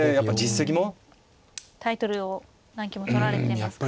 タイトルを何期も取られてますからね。